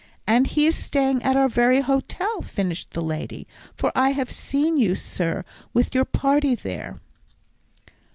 "And he is staying at our very hotel," finished the lady, "for I have seen you, sir, with your party there."